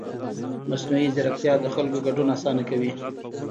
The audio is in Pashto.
مصنوعي ځیرکتیا د خلکو ګډون اسانه کوي.